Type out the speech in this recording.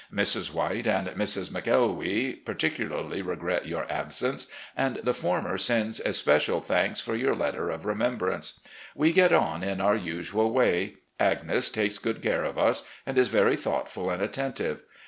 Mrs. White and Mrs. McElwee particularly regret your absence, and the former sends especial thanks for your letter of remembrance. We get on in our usual way. Agnes takes good care of us, and is very thoughtful and attentive.